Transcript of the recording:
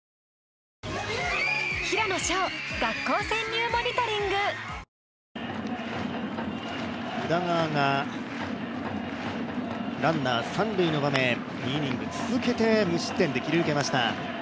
ピンポーン宇田川がランナー三塁の場面、２イニング続けて無失点で切り抜けました。